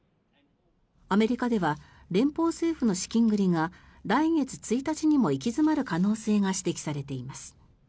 アメリカでは連邦政府の資金繰りが来月１日にも行き詰まる可能性が指摘されています。